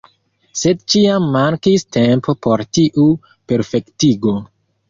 Sed ĉiam mankis tempo por tiu perfektigo.